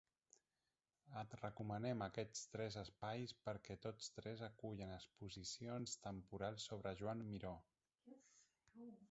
Et recomanem aquests tres espais perquè tots tres acullen exposicions temporals sobre Joan Miró.